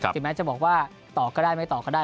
ถึงแม้จะบอกว่าตอบก็ได้ไม่ตอบก็ได้